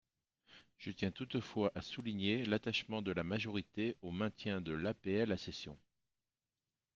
Je tiens toutefois à souligner l’attachement de la majorité au maintien de l’APL accession.